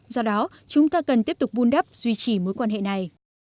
do đó chúng ta cần tiếp tục vun đắp duy trì mối quan hệ này